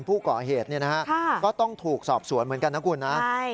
ผู้เกาะเหตุก็ต้องถูกสอบสวนเหมือนกันนะครับกุญนะฮะใช่